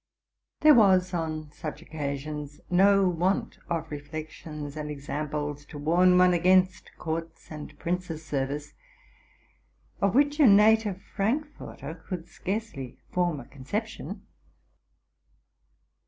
There was, on such RELATING TO MY LIFE. 63 occasions, no want of reflections and examples to warn one against courts and princes' service, of which a native Frankforter could scarcely form a conception.